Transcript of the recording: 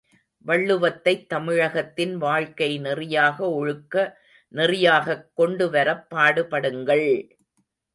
வள்ளுவத்தைத் தமிழகத்தின் வாழ்க்கை நெறியாக ஒழுக்க நெறியாகக் கொண்டுவரப் பாடுபடுங்கள்!